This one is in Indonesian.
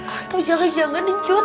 atau jangan janganin cut